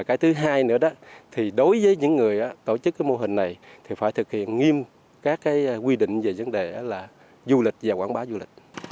cái thứ hai nữa đó thì đối với những người tổ chức cái mô hình này thì phải thực hiện nghiêm các cái quy định về vấn đề là du lịch và quảng bá du lịch